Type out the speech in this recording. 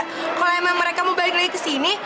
kalau memang mereka mau balik lagi ke sini